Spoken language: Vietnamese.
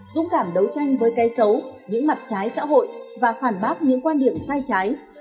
dũng cảm đấu tranh với cây xấu những mặt trái xã hội và phản bác những quan điểm sai trái